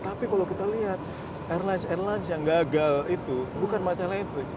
tapi kalau kita lihat airlines airlines yang gagal itu bukan masalah itu